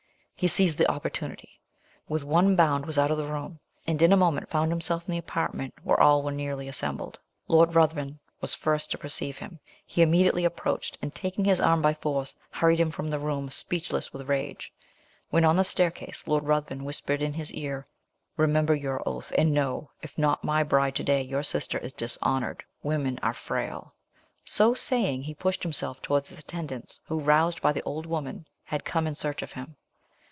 He seized the opportunity, with one bound was out of the room, and in a moment found himself in the apartment where all were nearly assembled. Lord Ruthven was the first to perceive him: he immediately approached, and, taking his arm by force, hurried him from the room, speechless with rage. When on the staircase, Lord Ruthven whispered in his ear "Remember your oath, and know, if not my bride to day, your sister is dishonoured. Women are frail!" So saying, he pushed him towards his attendants, who, roused by the old woman, had come in search of him.